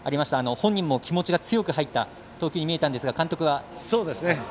本人も気持ちが強く入った投球に見えましたが、監督は。